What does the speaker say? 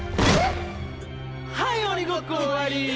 はい鬼ごっこ終わり！